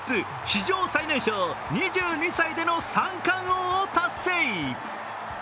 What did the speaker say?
史上最年少２２歳での三冠王達成。